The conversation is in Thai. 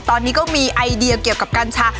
ตอนนี้ก็มีไอเดียเกี่ยวกับกัญชา